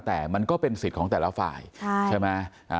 แต่มันก็เป็นสิทธิ์ของแต่ละฝ่ายใช่ไหม